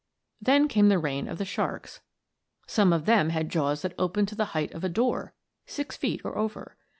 Then came the reign of the sharks. Some of them had jaws that opened to the height of a door six feet or over.